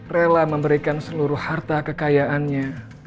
rela memberikan seluruh harta kekayaannya